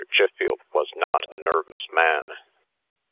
Chiffield was not a nervous man.